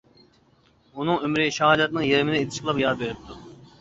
ئۇنىڭ ئۆمرى شاھادەتنىڭ يېرىمىنى ئېيتىشقىلا يار بېرىپتۇ.